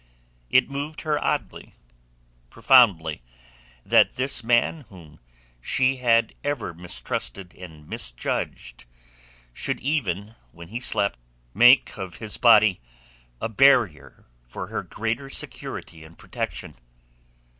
It moved her oddly, profoundly, that this man whom she had ever mistrusted and misjudged should even when he slept make of his body a barrier for her greater security and protection.